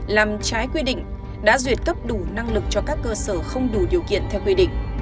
làm trái quy định đã duyệt cấp đủ năng lực cho các cơ sở không đủ điều kiện theo quy định